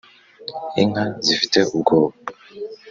inka zifite ubwoba